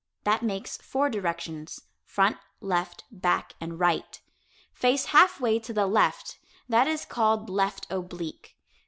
That makes four directions front, left, back and right. Face half way to the left that is called "left oblique."